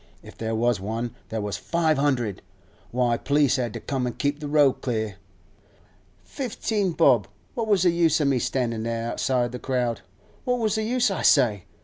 If there was one, there was five hundred! Why, the p'lice had to come an' keep the road clear. Fifteen bob! What was the use o' me standin' there, outside the crowd? What was the use, I say?